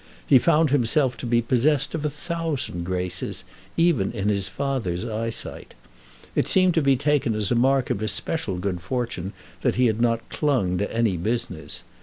He found himself to be possessed of a thousand graces, even in his father's eyesight. It seemed to be taken as a mark of his special good fortune that he had not clung to any business.